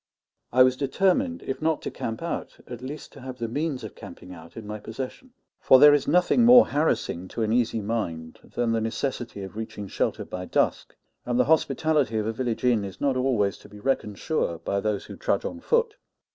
I was determined, if not to camp out, at least to have the means of camping out in my possession; for there is nothing more harassing to an easy mind than the necessity of reaching shelter by dusk, and the hospitality of a village inn is not always to be reckoned sure by those who trudge on foot.